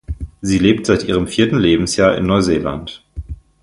Sie lebt seit ihrem vierten Lebensjahr in Neuseeland.